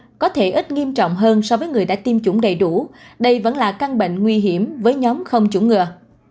nhưng đối với các dịch nghiêm trọng hơn so với người đã tiêm chủng đầy đủ đây vẫn là căn bệnh nguy hiểm với nhóm không chủng ngừa